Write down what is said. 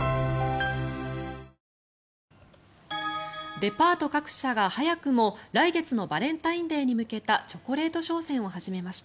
デパート各社が、早くも来月のバレンタインデーに向けたチョコレート商戦を始めました。